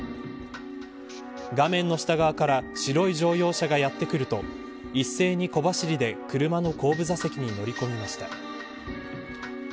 画面の下側から白い乗用車がやってくると一斉に小走りで車の後部座席に乗り込みました。